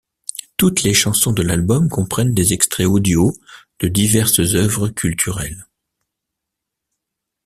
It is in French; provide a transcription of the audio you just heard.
Toutes les chansons de l'album comprennent des extraits audios de diverses œuvres culturelles.